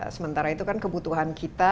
sementara itu kan kebutuhan kita